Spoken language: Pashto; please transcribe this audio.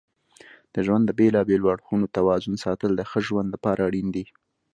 د ژوند د بیلابیلو اړخونو توازن ساتل د ښه ژوند لپاره اړین دي.